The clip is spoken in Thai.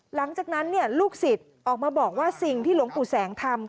หลังจากนั้นลูกศิษย์ออกมาบอกว่าสิ่งที่หลวงปู่แสงทำ